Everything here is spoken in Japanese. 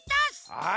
はい。